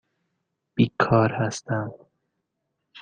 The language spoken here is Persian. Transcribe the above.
بیکار هستم.